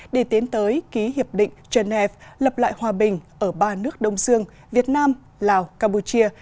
để tiến tới ký hiệp định genève lập lại hòa bình ở ba nước đông dương việt nam lào campuchia